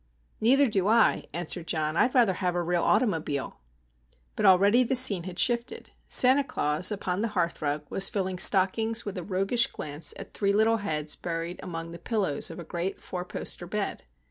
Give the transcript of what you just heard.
"Neither do I," answered John. "I'd rather have a real automobile." But already the scene had shifted. Santa Claus, upon the hearthrug, was filling stockings with a roguish glance at three little heads buried among the pillows of a great four poster bed.